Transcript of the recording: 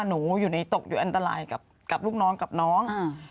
อยู่ในตกอยู่อันตรายกับลูกน้องกับน้อง